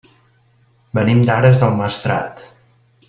Venim d'Ares del Maestrat.